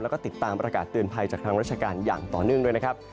แล้วก็ติดตามประกาศเตือนภัยจากทางราชการอย่างต่อเนื่องด้วยนะครับ